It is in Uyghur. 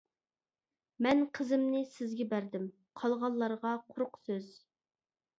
مەن قىزىمنى سىزگە بەردىم، قالغانلارغا قۇرۇق سۆز.